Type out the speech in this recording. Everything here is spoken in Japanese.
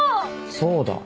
そうだ。